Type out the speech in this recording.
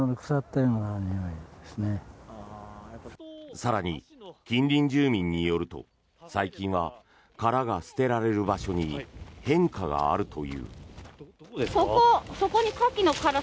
更に、近隣住民によると最近は殻が捨てられる場所に変化があるという。